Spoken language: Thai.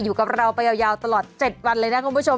อยู่กับเราไปยาวตลอด๗วันเลยนะคุณผู้ชม